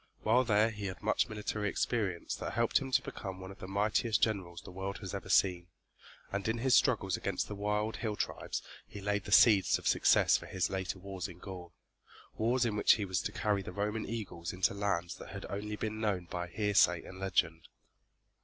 While there he had much military experience that helped him to become one of the mightiest generals the world has ever seen, and in his struggles against the wild, hill tribes he laid the seeds of success for his later wars in Gaul, wars in which he was to carry the Roman eagles into lands that had only been known by hearsay and legend.